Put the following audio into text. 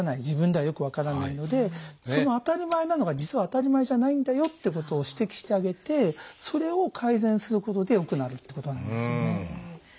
自分ではよく分からないのでその当たり前なのが実は当たり前じゃないんだよってことを指摘してあげてそれを改善することで良くなるっていうことなんですよね。